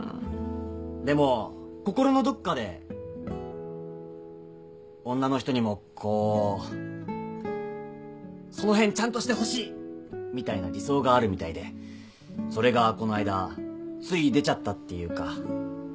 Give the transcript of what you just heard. でも心のどっかで女の人にもこうその辺ちゃんとしてほしいみたいな理想があるみたいでそれがこないだつい出ちゃったっていうか。